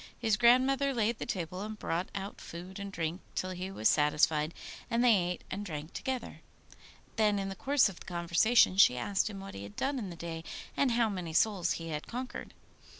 His grandmother laid the table, and brought out food and drink till he was satisfied, and they ate and drank together. Then in the course of the conversation she asked him what he had done in the day, and how many souls he had conquered.